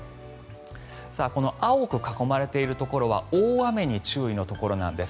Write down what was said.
この青く囲まれているところは大雨に注意のところなんです。